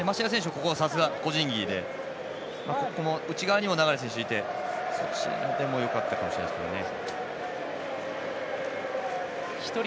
ここはさすが個人技で内側にも流選手いて、そっちでもよかったかもしれませんね。